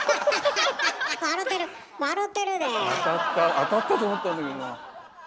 当たったと思ったんだけどな。